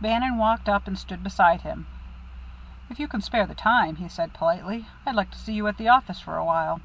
Bannon walked up and stood beside him. "If you can spare the time," he said politely, "I'd like to see you at the office for a while."